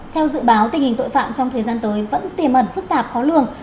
theo dự báo tình hình tội phạm trong thời gian tới vẫn tiềm ẩn phức tạp khó lường